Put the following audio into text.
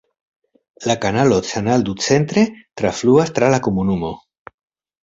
La kanalo Canal du Centre trafluas tra la komunumo.